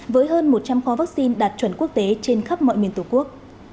với hơn một trăm linh khó vaccine đạt chuẩn quốc tế trên khắp mọi miền tổ quốc